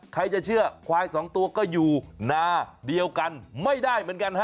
ใครจะเชื่อควายสองตัวก็อยู่นาเดียวกันไม่ได้เหมือนกันฮะ